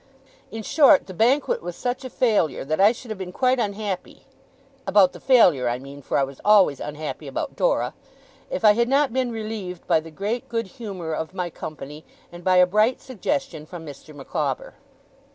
In short, the banquet was such a failure that I should have been quite unhappy about the failure, I mean, for I was always unhappy about Dora if I had not been relieved by the great good humour of my company, and by a bright suggestion from Mr. Micawber.